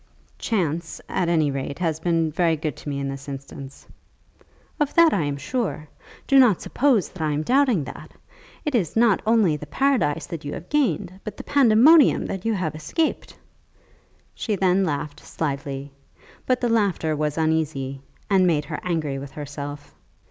"Chance, at any rate, has been very good to me in this instance." "Of that I am sure. Do not suppose that I am doubting that. It is not only the paradise that you have gained, but the pandemonium that you have escaped!" Then she laughed slightly, but the laughter was uneasy, and made her angry with herself.